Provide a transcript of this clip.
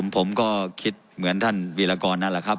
ผมก็คิดเหมือนท่านวีรกรนั่นแหละครับ